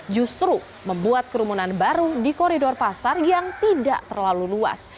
justru membuat kerumunan baru di koridor pasar yang tidak terlalu luas